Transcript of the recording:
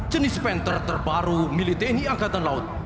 jenis penter terbaru militeni angkatan laut